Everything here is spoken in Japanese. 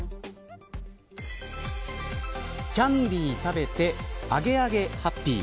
キャンディ食べてアゲアゲハッピー。